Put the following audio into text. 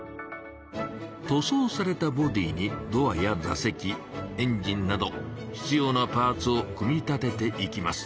塗装されたボディーにドアや座席エンジンなど必要なパーツを組み立てていきます。